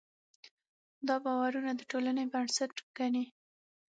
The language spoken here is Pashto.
دا باورونه د ټولنې بنسټ ګڼي.